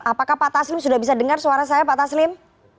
apakah pak taslim sudah bisa dengar suara saya pak taslim